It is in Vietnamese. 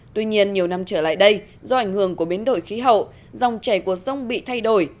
tuy nhiên nhiều năm trở lại đây do ảnh hưởng của biến đổi khí hậu dòng chảy của sông bị thay đổi